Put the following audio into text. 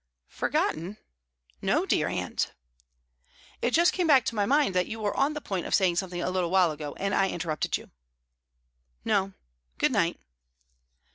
"Forgotten? No, dear aunt." "It just come back to my mind that you were on the point of saying something a little while ago, and I interrupted you." "No. Good night."